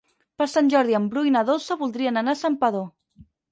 Per Sant Jordi en Bru i na Dolça voldrien anar a Santpedor.